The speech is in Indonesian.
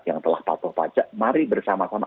yang telah patuh pajak mari bersama sama